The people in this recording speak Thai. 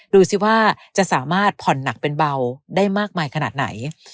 ดูสิว่าจะสามารถผ่อนหนักเป็นเบาได้มากมายขนาดไหน